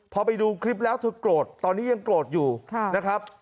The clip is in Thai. พอไปดูคลิปแล้วเธอโกรธตอนนี้ยังโกรธอยู่นะครับ